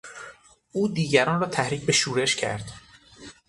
او دیگران را تحریک به شورش کرد.